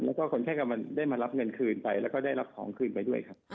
แล้วก็คนไข้ก็ได้มารับเงินคืนไปแล้วก็ได้รับของคืนไปด้วยครับ